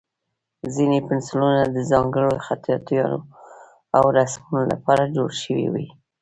ځینې پنسلونه د ځانګړو خطاطیو او رسمونو لپاره جوړ شوي وي.